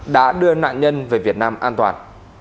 đã đưa nạn nhân về việt nam an toàn